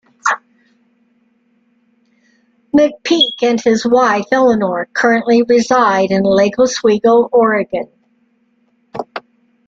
McPeak and his wife Elynor currently reside in Lake Oswego, Oregon.